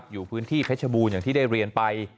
อยู่พื้นที่เพชรบูรณ์อย่างที่ได้เรียนไป